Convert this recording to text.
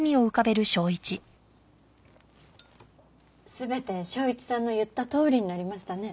全て昇一さんの言ったとおりになりましたね。